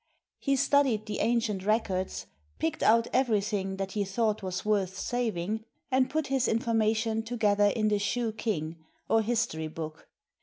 He studied the ancient records, picked out everything that he thought was worth saving, and put his information together in the Shoo King, or history hook.